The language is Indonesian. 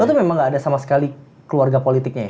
lo tuh memang gak ada sama sekali keluarga politiknya ya